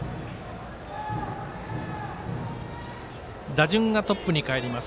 打順がトップにかえります。